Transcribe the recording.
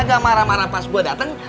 gak marah marah pas gue dateng